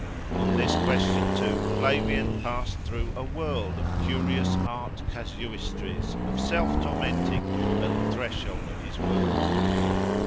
On this question too Flavian passed through a world of curious art casuistries, of self tormenting, at the threshold of his work.